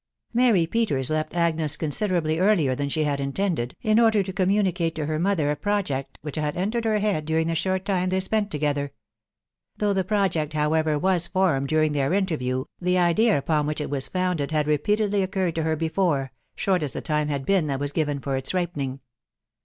Mart Pkters left Agnes considerably earlier than she had intended, in order to communicate to her .mother a project which had entered her head during the short time they spent together. Though the project, however, was formed during their interview, the idea upon which it was founded had repeatedly occurred to her before, short as the time had been that was given for its ripening.